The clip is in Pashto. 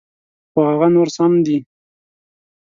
خو هغه نور سم دي.